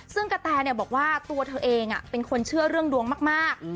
ซึ่งกระแตบอกว่าตัวเธอเองเป็นคนเชื่อเรื่องดวงมาก